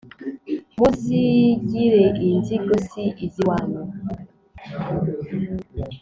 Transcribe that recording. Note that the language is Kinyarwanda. muzigire inzigo si iz'iwanyu